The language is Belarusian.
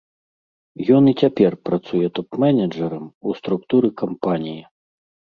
Ён і цяпер працуе топ-менеджарам у структуры кампаніі.